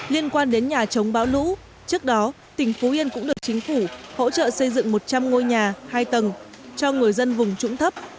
liên quan đến nhà chống bão lũ trước đó tỉnh phú yên cũng được chính phủ hỗ trợ xây dựng một trăm linh ngôi nhà hai tầng cho người dân vùng trũng thấp